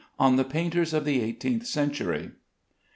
ON THE PAINTERS OF THE EIGHTEENTH CENTURY.